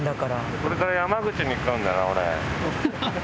これから山口に行くんだな俺。